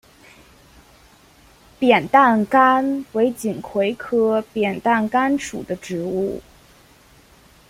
扁担杆为锦葵科扁担杆属的植物。